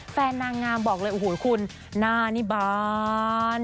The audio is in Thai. นางงามบอกเลยโอ้โหคุณหน้านี่บาน